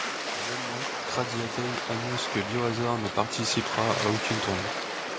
Le même mois, Graziadei annonce que Biohazard ne participera à aucune tournée.